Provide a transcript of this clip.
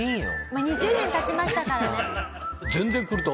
まあ２０年経ちましたからね。